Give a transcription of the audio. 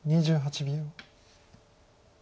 ２８秒。